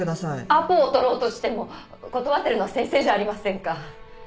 アポを取ろうとしても断ってるのは先生じゃありませんか。